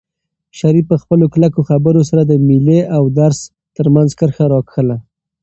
شریف په خپلو کلکو خبرو سره د مېلې او درس ترمنځ کرښه راښکله.